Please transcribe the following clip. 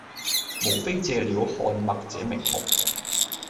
無非借了看脈這名目，